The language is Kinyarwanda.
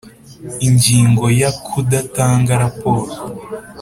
Ingingo ya Kudatanga raporo